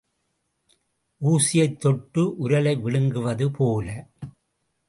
ஊசியைத் தொட்டு உரலை விழுங்குவது போல.